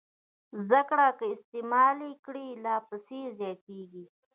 زده کړه که استعمال یې کړئ لا پسې زیاتېږي.